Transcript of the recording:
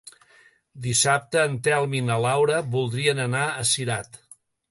Dissabte en Telm i na Laura voldrien anar a Cirat.